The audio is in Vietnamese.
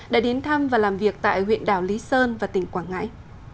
đã đến thăm và làm việc tại huyện đảo lý sơn và tỉnh quảng ngãi